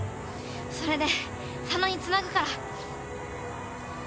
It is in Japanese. それで佐野につなぐから。